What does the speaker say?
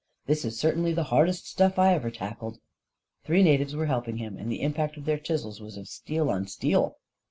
" This is certainly the hardest stuff I ever tackled." Three natives were helping him, and the impact of their chisels was of steel on steel.